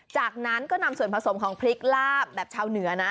จากนั้นก็นำส่วนผสมของพริกลาบแบบชาวเหนือนะ